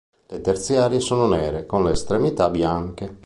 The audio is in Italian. Le terziarie sono nere con le estremità bianche.